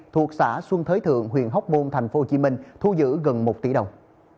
thuộc xã xuân thới thượng huyện hóc môn tp hcm thu giữ gần một tỷ đồng